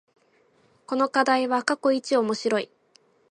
この課題は過去一面白い